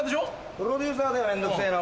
プロデューサーだよ面倒くせぇな